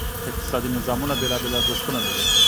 اقتصادي نظامونه بېلابېل ارزښتونه لري.